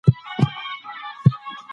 شاه محمود د ناکامۍ له امله عصبي شو.